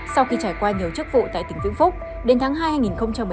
sau khi trải qua nhiều chức vụ tại tỉnh vĩnh phúc đến tháng hai hai nghìn một mươi tám